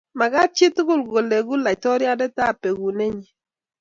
mekat chitugul ko leku laitoriandetab bekune nyin